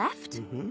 うん。